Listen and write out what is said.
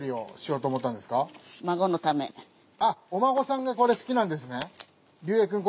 あっお孫さんがこれ好きなんですね？